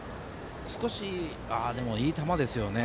でも、いい球ですよね。